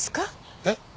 えっ？